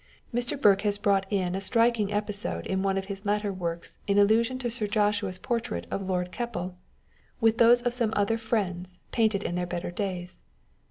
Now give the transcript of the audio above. Mr. Burke has brought in a striking episode in one of his later works in allusion to Sir Joshua's portrait of Lord Keppel, with those of some other friends, painted in their better days.